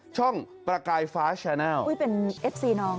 ประกายฟ้าแชนัลเป็นเอฟซีน้อง